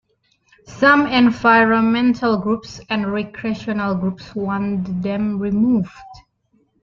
Some environmental groups and recreational groups want the dam removed.